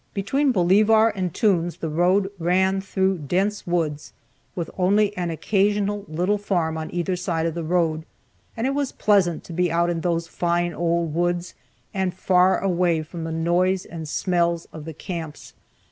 Between Bolivar and Toone's the road ran through dense woods, with only an occasional little farm on either side of the road, and it was pleasant to be out in those fine old woods, and far away from the noise and smells of the camps.